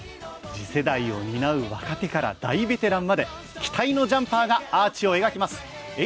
次世代を担う若手から大ベテランまで期待のジャンパーがアーチを描きます。